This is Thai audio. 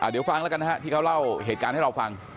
เดี๋ยวฟังแล้วกันนะฮะที่เขาเล่าเหตุการณ์ให้เราฟัง